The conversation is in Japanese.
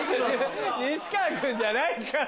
西川くんじゃないから。